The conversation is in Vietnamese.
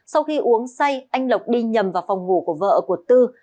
sau khi uống say anh lộc đi nhầm vào phòng ngủ của vợ của tư